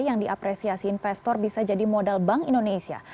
yang diapresiasi investor bisa jadi modal bank indonesia